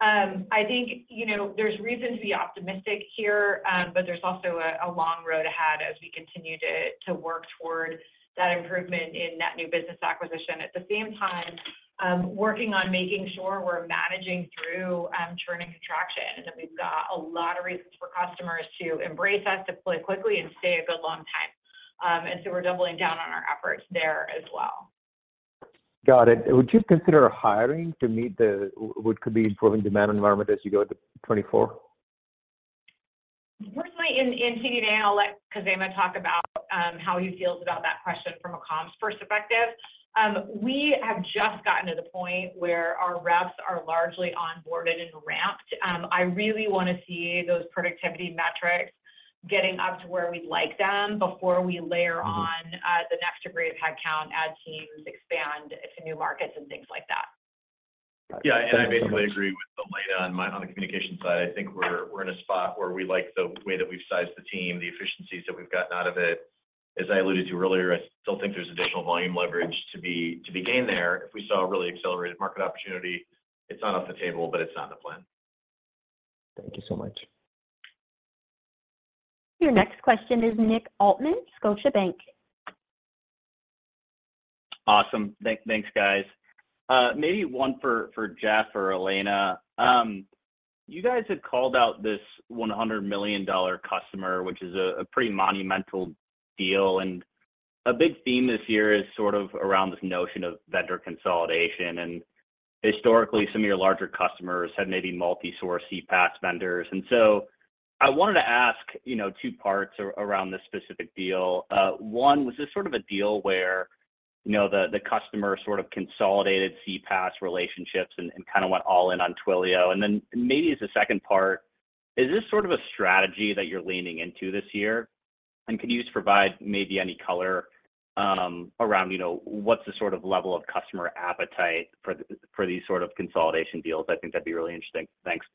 I think, you know, there's reason to be optimistic here. There's also a, a long road ahead as we continue to, to work toward that improvement in net new business acquisition. At the same time, working on making sure we're managing through churn and contraction, and that we've got a lot of reasons for customers to embrace us, deploy quickly, and stay a good long time. We're doubling down on our efforts there as well. Got it. Would you consider hiring to meet the, what could be improving demand environment as you go into 2024? Personally, in, in TDA, I'll let Khozema talk about how he feels about that question from a Comms first effective. We have just gotten to the point where our reps are largely onboarded and ramped. I really want to see those productivity metrics getting up to where we'd like them before we layer on- Mm-hmm... the next degree of headcount, add teams, expand to new markets, and things like that. Yeah, I basically agree with Elena on the communication side. I think we're, we're in a spot where we like the way that we've sized the team, the efficiencies that we've gotten out of it. As I alluded to earlier, I still think there's additional volume leverage to be, to be gained there. If we saw a really accelerated market opportunity, it's not off the table, but it's not in the plan. Thank you so much. Your next question is Nick Altmann, Scotiabank. Awesome. Thanks, guys. Maybe one for, for Jeff or Elena. You guys had called out this $100 million customer, which is a pretty monumental deal, and a big theme this year is sort of around this notion of vendor consolidation. Historically, some of your larger customers had maybe multi-source CPaaS vendors. So I wanted to ask, you know, two parts around this specific deal. One, was this sort of a deal where, you know, the customer sort of consolidated CPaaS relationships and kind of went all in on Twilio? Then maybe as a second part, is this sort of a strategy that you're leaning into this year? Can you just provide maybe any color, around, you know, what's the sort of level of customer appetite for, for these sort of consolidation deals? I think that'd be really interesting. Thanks.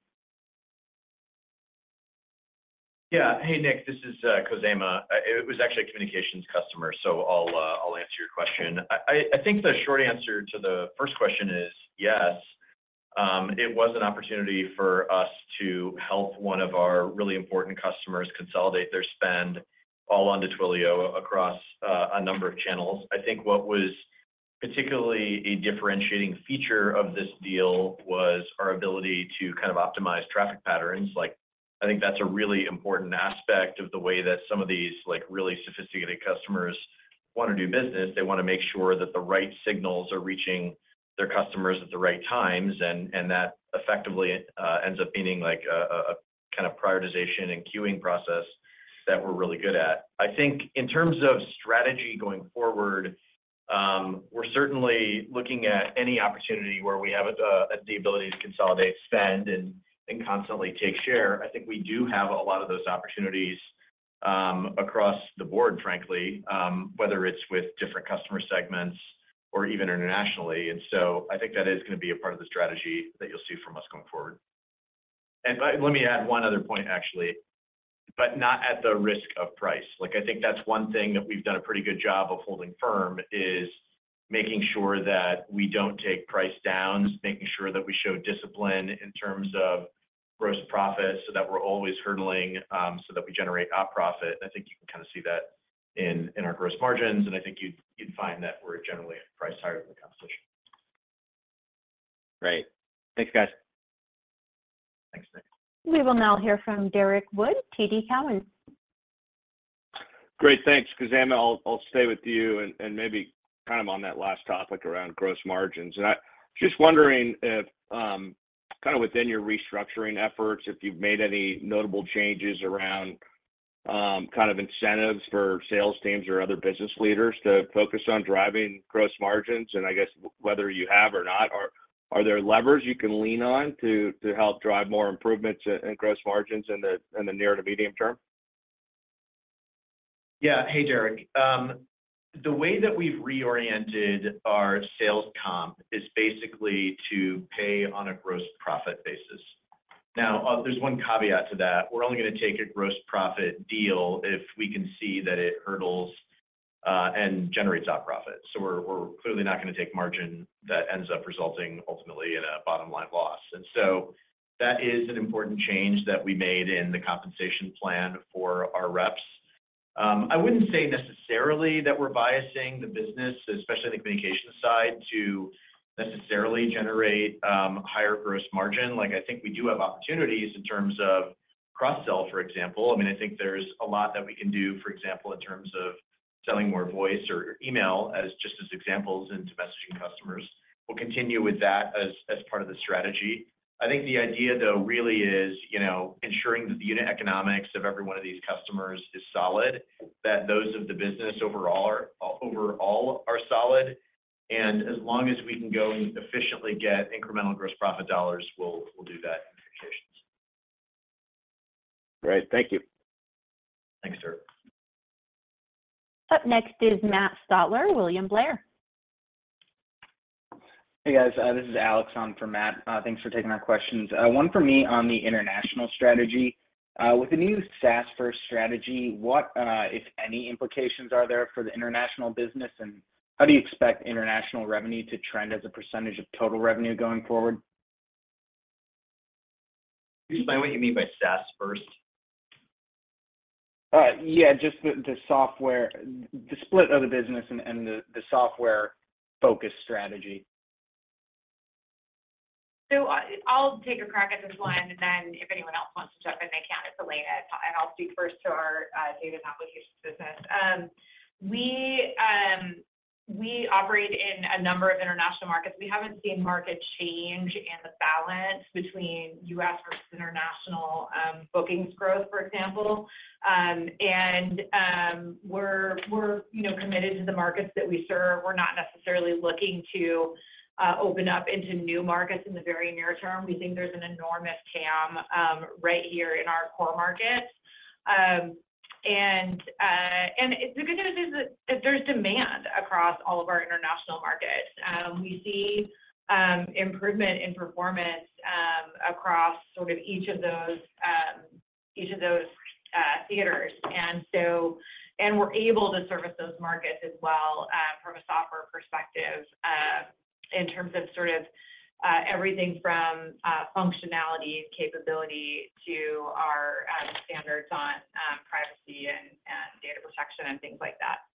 Yeah. Hey, Nick, this is Khozema. It, it was actually a Communications customer, so I'll answer your question. I, I, I think the short answer to the first question is yes. It was an opportunity for us to help one of our really important customers consolidate their spend all onto Twilio across a number of channels. I think what was particularly a differentiating feature of this deal was our ability to kind of optimize traffic patterns. Like, I think that's a really important aspect of the way that some of these, like, really sophisticated customers want to do business. They want to make sure that the right signals are reaching their customers at the right times, and, and that effectively ends up being like a, a, a kind of prioritization and queuing process that we're really good at. I think in terms of strategy going forward, we're certainly looking at any opportunity where we have the ability to consolidate, spend, and, and constantly take share. I think we do have a lot of those opportunities, across the board, frankly, whether it's with different customer segments or even internationally. So I think that is gonna be a part of the strategy that you'll see from us going forward. But let me add one other point, actually, but not at the risk of price. Like, I think that's one thing that we've done a pretty good job of holding firm, is making sure that we don't take price downs, making sure that we show discipline in terms of gross profit, so that we're always hurdling, so that we generate op profit. I think you can kind of see that in, in our gross margins, and I think you'd, you'd find that we're generally priced higher than the competition. Great. Thanks, guys. Thanks, Nick. We will now hear from Derrick Wood, TD Cowen. Great. Thanks, Khozema. I'll stay with you and maybe kind of on that last topic around gross margins. Just wondering if kind of within your restructuring efforts, if you've made any notable changes around kind of incentives for sales teams or other business leaders to focus on driving gross margins? I guess whether you have or not, are there levers you can lean on to help drive more improvements in gross margins in the near to medium term? Yeah. Hey, Derek. The way that we've reoriented our sales comp is basically to pay on a gross profit basis. Now, there's one caveat to that. We're only gonna take a gross profit deal if we can see that it hurdles and generates op profit. So we're clearly not gonna take margin that ends up resulting ultimately in a bottom line loss. That is an important change that we made in the compensation plan for our reps. I wouldn't say necessarily that we're biasing the business, especially the communication side, to necessarily generate higher gross margin. I think we do have opportunities in terms of cross-sell, for example. I think there's a lot that we can do, for example, in terms of selling more voice or email as just as examples into messaging customers. We'll continue with that as, as part of the strategy. I think the idea though, really is, you know, ensuring that the unit economics of every one of these customers is solid, that those of the business overall are solid. As long as we can go and efficiently get incremental gross profit dollars, we'll, we'll do that in communications. Great. Thank you. Thanks, Derrick. Up next is Matt Stotler, William Blair. Hey, guys. This is Alex on for Matt. Thanks for taking our questions. One for me on the international strategy. With the new SaaS first strategy, what, if any, implications are there for the international business, and how do you expect international revenue to trend as a % of total revenue going forward? Can you explain what you mean by SaaS first? Yeah, just the software, the split of the business and the software-focused strategy. I, I'll take a crack at this one, and then if anyone else wants to jump in, they can. It's late at time. I'll speak first to our Data and Applications business. We operate in a number of international markets. We haven't seen market change in the balance between US versus international bookings growth, for example. We're, we're, you know, committed to the markets that we serve. We're not necessarily looking to open up into new markets in the very near term. We think there's an enormous TAM right here in our core markets. The good news is that there's demand across all of our international markets. We see improvement in performance across sort of each of those, each of those theaters. We're able to service those markets as well, from a software perspective, in terms of sort of, everything from, functionality and capability to our, standards on, privacy and, and data protection and things like that.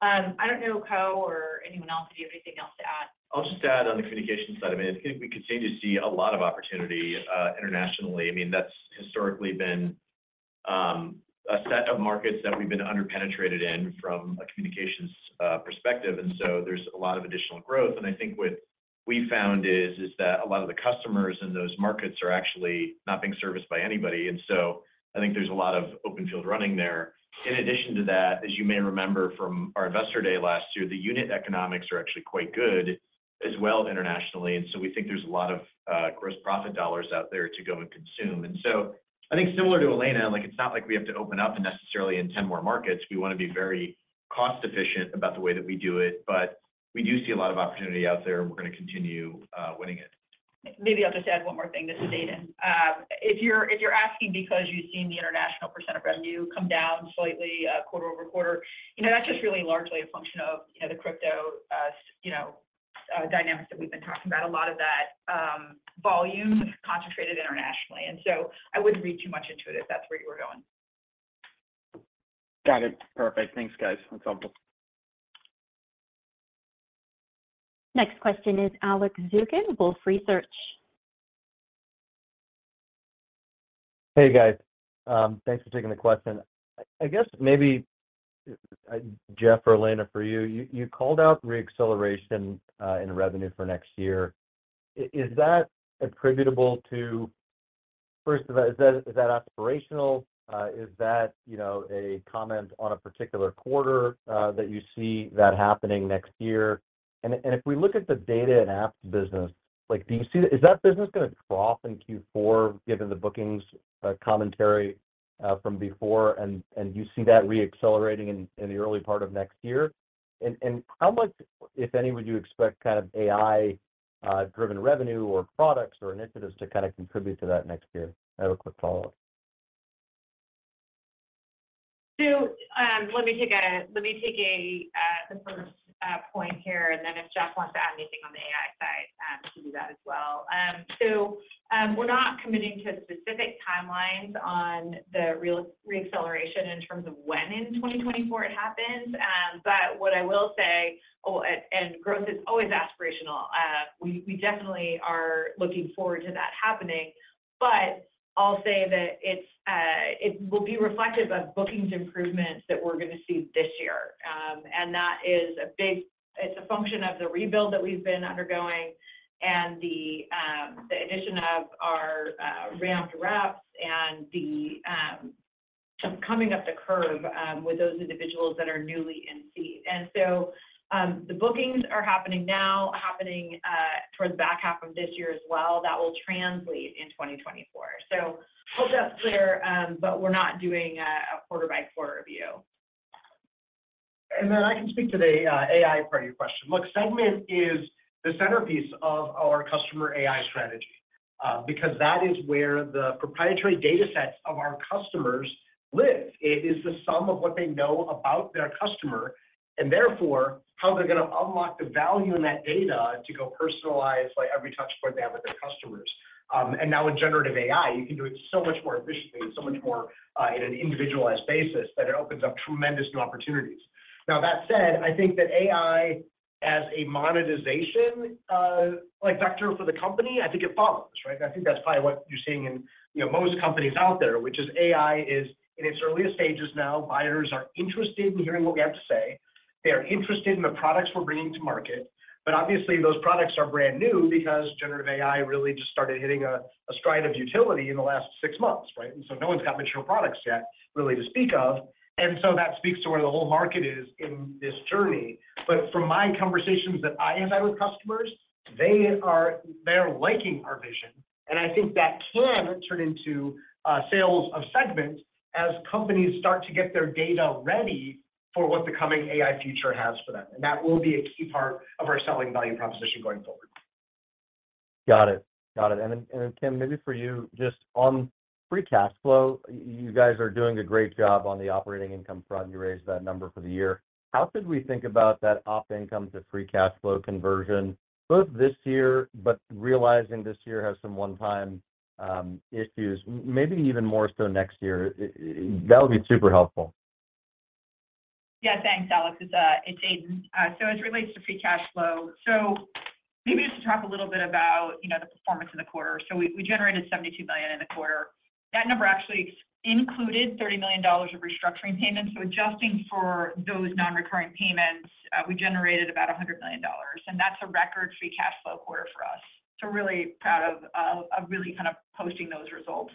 I don't know, Ko, or anyone else, if you have anything else to add? I'll just add on the communications side. I mean, I think we continue to see a lot of opportunity, internationally. I mean, that's historically been, a set of markets that we've been under-penetrated in from a communications, perspective. So there's a lot of additional growth. I think what we found is, is that a lot of the customers in those markets are actually not being serviced by anybody. So I think there's a lot of open field running there. In addition to that, as you may remember from our Investor Day last year, the unit economics are actually quite good as well internationally. So we think there's a lot of, gross profit dollars out there to go and consume. So I think similar to Elena, like, it's not like we have to open up necessarily in 10 more markets. We want to be very cost efficient about the way that we do it, but we do see a lot of opportunity out there, and we're gonna continue winning it. Maybe I'll just add one more thing. This is Aidan. If you're, if you're asking because you've seen the international % of revenue come down slightly, quarter-over-quarter, you know, that's just really largely a function of, you know, the crypto, you know, dynamics that we've been talking about. A lot of that, volume is concentrated internationally, and so I wouldn't read too much into it if that's where you were going. Got it. Perfect. Thanks, guys. That's helpful. Next question is Alex Zukin, Wolfe Research. Hey, guys. Thanks for taking the question. I, I guess maybe, Jeff or Elena, for you, you, you called out re-acceleration in revenue for next year. Is, is that attributable to-- First of all, is that, is that aspirational? Is that, you know, a comment on a particular quarter that you see that happening next year? If we look at the data and apps business, like, do you see-- Is that business gonna trough in Q4, given the bookings commentary from before, and, and you see that re-accelerating in, in the early part of next year? How much, if any, would you expect kinda AI driven revenue or products or initiatives to kinda contribute to that next year? I have a quick follow-up. Let me take a, let me take a, the first point here, and then if Jeff wants to add anything on the AI side, he can do that as well. We're not committing to specific timelines on the real re-acceleration in terms of when in 2024 it happens. What I will say, oh, and, and growth is always aspirational. We, we definitely are looking forward to that happening. I'll say that it's, it will be reflective of bookings improvements that we're gonna see this year. That is a big-- It's a function of the rebuild that we've been undergoing and the addition of our ramped reps and the coming up the curve with those individuals that are newly in seat. The bookings are happening now, happening towards the back half of this year as well. That will translate in 2024. Hope that's clear, but we're not doing a, a quarter-by-quarter review. Then I can speak to the AI part of your question. Look, Segment is the centerpiece of our CustomerAI strategy, because that is where the proprietary data sets of our customers live. It is the sum of what they know about their customer, and therefore, how they're gonna unlock the value in that data to go personalize, like, every touch point they have with their customers. Now with generative AI, you can do it so much more efficiently and so much more in an individualized basis, that it opens up tremendous new opportunities. That said, I think that AI as a monetization, like, vector for the company, I think it follows, right? I think that's probably what you're seeing in, you know, most companies out there, which is AI is in its earliest stages now. Buyers are interested in hearing what we have to say. They are interested in the products we're bringing to market. Obviously, those products are brand new because Generative AI really just started hitting a stride of utility in the last six months, right? No one's got mature products yet, really, to speak of. That speaks to where the whole market is in this journey. From my conversations that I have had with customers, they're liking our vision, and I think that can turn into sales of Segment as companies start to get their data ready for what the coming AI future has for them. That will be a key part of our selling value proposition going forward. Got it. Got it. Aidan Viggiano, maybe for you, just on free cash flow, you guys are doing a great job on the operating income front. You raised that number for the year. How should we think about that op income to free cash flow conversion, both this year, but realizing this year has some one-time issues, maybe even more so next year? That would be super helpful. Yeah, thanks, Alex. It's, it's Aidan. As it relates to free cash flow, maybe I should talk a little bit about, you know, the performance in the quarter. We, we generated $72 million in the quarter. That number actually included $30 million of restructuring payments. Adjusting for those non-recurring payments, we generated about $100 million, and that's a record free cash flow quarter for us. Really proud of, of really kind of posting those results.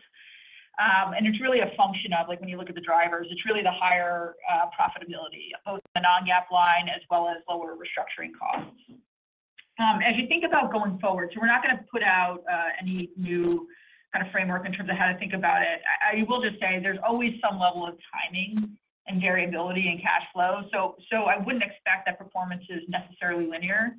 It's really a function of, like, when you look at the drivers, it's really the higher profitability, both the non-GAAP line as well as lower restructuring costs. As you think about going forward, we're not gonna put out any new kind of framework in terms of how to think about it. I, I will just say there's always some level of timing and variability in cash flow, so, so I wouldn't expect that performance is necessarily linear.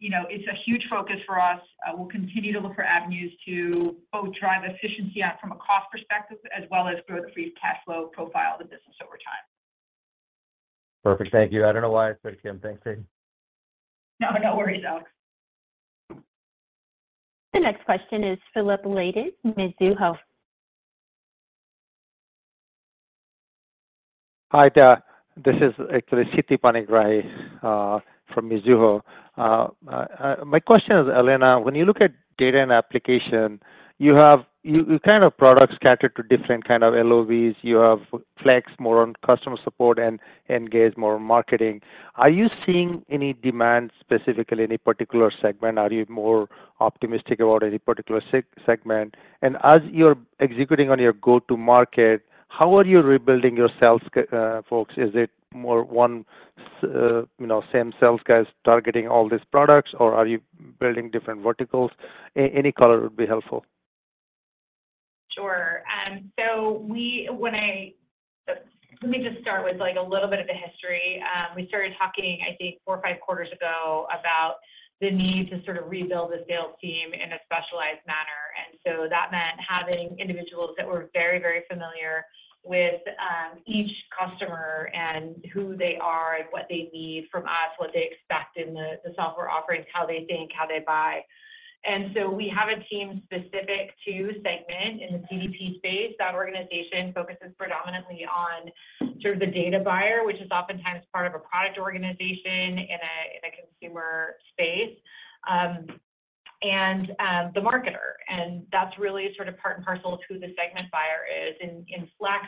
You know, it's a huge focus for us. We'll continue to look for avenues to both drive efficiency out from a cost perspective, as well as grow the free cash flow profile of the business over time. Perfect. Thank you. I don't know why I said Tim. Thanks, Aidan. No, no worries, Alex. The next question is Philip Leydig, Mizuho. Hi, this is actually Siti Panigrahi from Mizuho. My question is, Elena, when you look at Data & Applications, you have products scattered to different kind of LOBs. You have Flex more on customer support and Engage more on marketing. Are you seeing any demand, specifically in a particular segment? Are you more optimistic about any particular segment? And as you're executing on your go-to market, how are you rebuilding your sales folks? Is it more one, you know, same sales guys targeting all these products, or are you building different verticals? Any color would be helpful. Sure. We, when I, let me just start with like a little bit of the history. We started talking, I think, four or five quarters ago, about the need to sort of rebuild the sales team in a specialized manner. That meant having individuals that were very, very familiar with each customer and who they are and what they need from us, what they expect in the, the software offerings, how they think, how they buy. We have a team specific to Segment in the CDP space. That organization focuses predominantly on sort of the data buyer, which is oftentimes part of a product organization in a, in a consumer space. And, the marketer, and that's really sort of part and parcel of who the Segment buyer is. In, in Flex,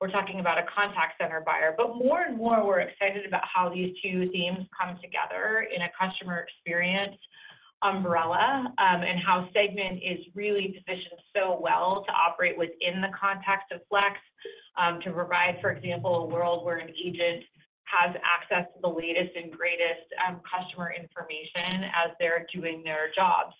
we're talking about a contact center buyer. More and more, we're excited about how these two teams come together in a customer experience umbrella, and how Segment is really positioned so well to operate within the context of Flex, to provide, for example, a world where an agent has access to the latest and greatest, customer information as they're doing their job.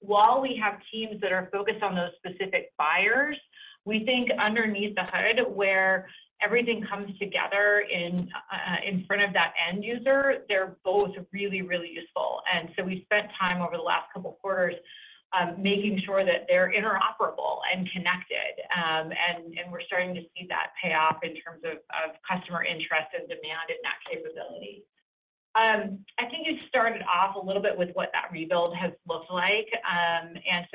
While we have teams that are focused on those specific buyers, we think underneath the hood, where everything comes together in front of that end user, they're both really, really useful. We spent time over the last couple quarters, making sure that they're interoperable and connected. And we're starting to see that pay off in terms of, of customer interest and demand in that capability. I think you started off a little bit with what that rebuild has looked like.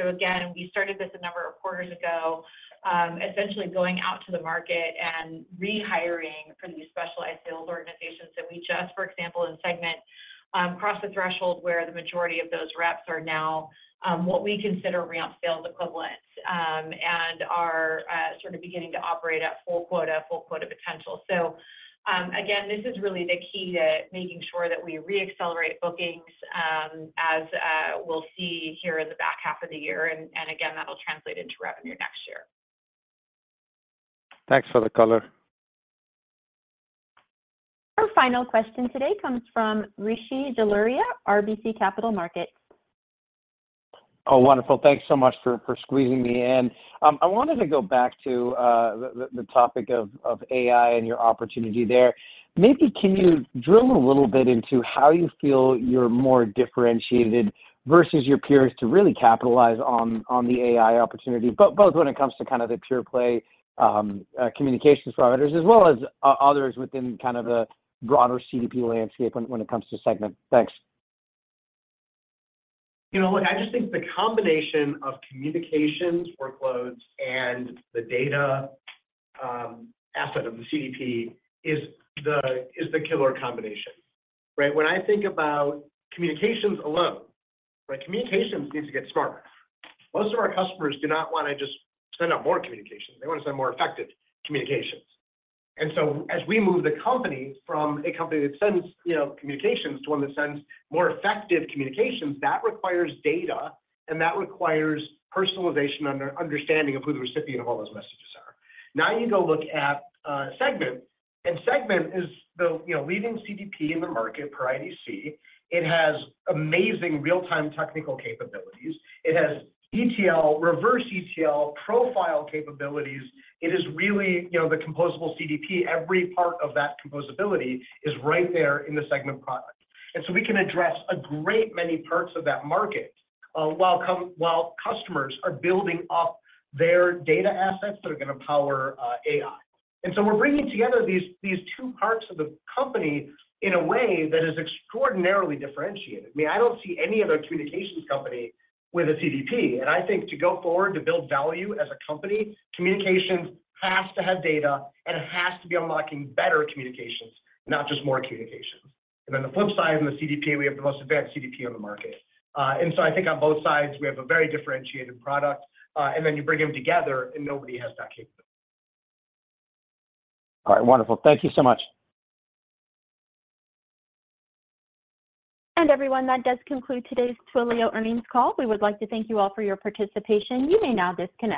Again, we started this a number of quarters ago, essentially going out to the market and rehiring from these specialized sales organizations that we just, for example, in Segment, crossed the threshold where the majority of those reps are now, what we consider ramp sales equivalent. Are sort of beginning to operate at full quota, full quota potential. Again, this is really the key to making sure that we re-accelerate bookings, as we'll see here in the back half of the year, and again, that'll translate into revenue next year. Thanks for the color. Our final question today comes from Rishi Jaluria, RBC Capital Markets. Oh, wonderful. Thanks so much for, for squeezing me in. I wanted to go back to the, the, the topic of, of AI and your opportunity there. Maybe can you drill a little bit into how you feel you're more differentiated versus your peers to really capitalize on, on the AI opportunity, but both when it comes to kind of the pure play communications providers, as well as o- others within kind of the broader CDP landscape when, when it comes to Segment? Thanks. You know, look, I just think the combination of communications, workloads, and the data asset of the CDP is the, is the killer combination, right? When I think about communications alone, right, communications need to get smarter. Most of our customers do not wanna just send out more communications. They wanna send more effective communications. As we move the company from a company that sends, you know, communications, to one that sends more effective communications, that requires data, and that requires personalization under understanding of who the recipient of all those messages are. Now, you go look at Segment, and Segment is the, you know, leading CDP in the market per IDC. It has amazing real-time technical capabilities. It has ETL, reverse ETL, profile capabilities. It is really, you know, the composable CDP. Every part of that composability is right there in the Segment product. We can address a great many parts of that market, while com- while customers are building up their data assets that are gonna power, AI. We're bringing together these, these two parts of the company in a way that is extraordinarily differentiated. I mean, I don't see any other communications company with a CDP, and I think to go forward to build value as a company, communications has to have data, and it has to be unlocking better communications, not just more communications. On the flip side, in the CDP, we have the most advanced CDP on the market. I think on both sides, we have a very differentiated product, then you bring them together, and nobody has that capability. All right, wonderful. Thank you so much. Everyone, that does conclude today's Twilio earnings call. We would like to thank you all for your participation. You may now disconnect.